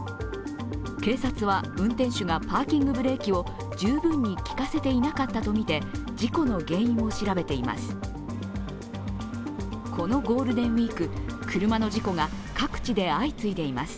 警察は、運転手がパーキングブレーキを十分に効かせていなかったとみて事故の原因を調べています。